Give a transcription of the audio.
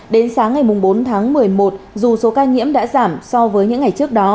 đến sáng ngày bốn tháng một mươi một dù số ca nhiễm đã giảm so với những ngày trước đó